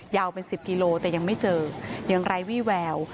ยาวเป็น๑๐กิโลแต่ยังไม่เจอยังไร้วี่แวว